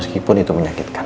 meskipun itu menyakitkan